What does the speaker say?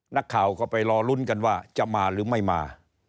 นักข่าวก็ไปรอลุ้นกันว่าจะมาหรือไม่มา